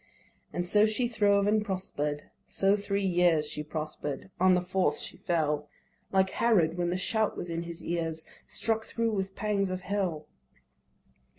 And so she throve and prosper'd: so three years She prosper'd; on the fourth she fell, Like Herod, when the shout was in his ears, Struck thro' with pangs of hell.